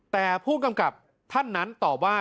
แต่ผู้กำกับท่านนั้นตอบว่า